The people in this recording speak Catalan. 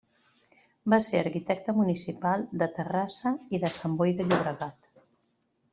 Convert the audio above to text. Va ser arquitecte municipal de Terrassa i de Sant Boi de Llobregat.